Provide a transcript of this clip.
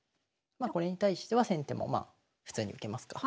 これに対しては先手もまあ普通に受けますか。